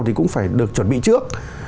thì cũng phải được chuẩn bị trước